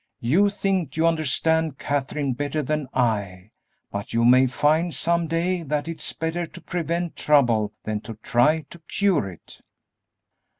You think you understand Katherine better than I, but you may find some day that it's better to prevent trouble than to try to cure it."